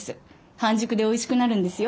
半熟でおいしくなるんですよ。